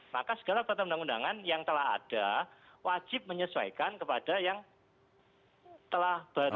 maka segala peraturan undang undangan yang telah ada wajib menyesuaikan kepada yang telah baru